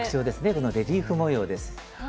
このレリーフ模様です。